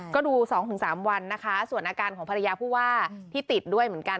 ก็ดู๒๓วันนะคะส่วนอาการของภรรยาผู้ว่าที่ติดด้วยเหมือนกัน